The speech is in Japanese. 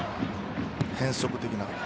変則的な。